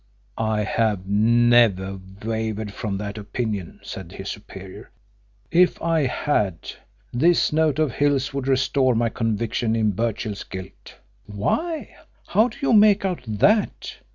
"I have never wavered from that opinion," said his superior. "If I had, this note of Hill's would restore my conviction in Birchill's guilt." "Why, how do you make out that?"